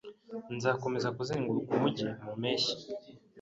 Nzakomeza kuzenguruka umujyi mu mpeshyi.